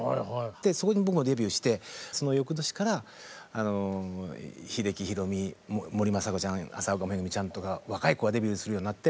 そこに僕もデビューしてその翌年から秀樹ひろみ森昌子ちゃん麻丘めぐみちゃんとか若い子がデビューするようになって。